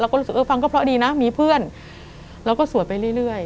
ก็รู้สึกเออฟังก็เพราะดีนะมีเพื่อนแล้วก็สวดไปเรื่อย